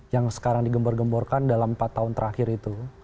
yang sekarang digembor gemborkan dalam empat tahun terakhir itu